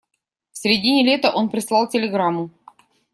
В середине лета он прислал телеграмму.